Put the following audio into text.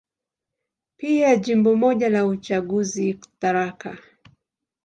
Pia Jimbo moja la uchaguzi, Tharaka.